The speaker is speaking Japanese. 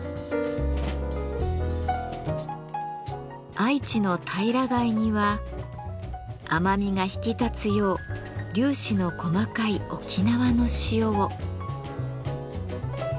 愛知のたいら貝には甘みが引き立つよう粒子の細かい沖縄の塩を。